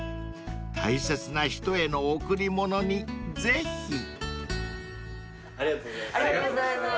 ［大切な人への贈り物にぜひ］ありがとうございました。